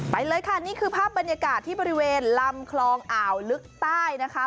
ไปเลยค่ะนี่คือภาพบรรยากาศที่บริเวณลำคลองอ่าวลึกใต้นะคะ